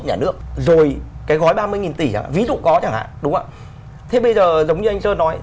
thế bây giờ giống như anh sơn nói